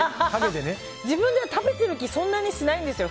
自分では食べてる気そんなにしないんですよ。